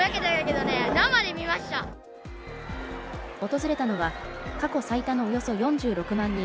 訪れたのは、過去最多のおよそ４６万人。